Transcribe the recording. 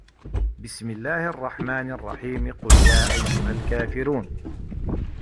بِسمِ اللَّهِ الرَّحمنِ الرَّحيمِ قُل يا أَيُّهَا الكافِرونَ